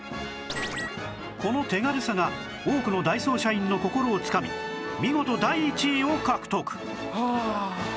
この手軽さが多くのダイソー社員の心をつかみ見事第１位を獲得！